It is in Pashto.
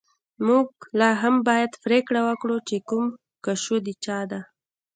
موږ لاهم باید پریکړه وکړو چې کوم کشو د چا ده